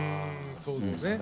そうですね。